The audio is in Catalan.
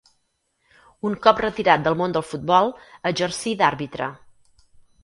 Un cop retirat del món del futbol exercí d'àrbitre.